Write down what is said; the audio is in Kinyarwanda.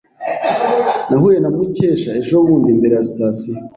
Nahuye na Mukesha ejobundi imbere ya sitasiyo.